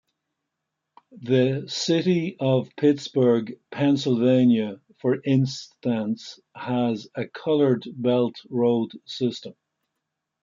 The city of Pittsburgh, Pennsylvania, for instance, has a colored belt road system.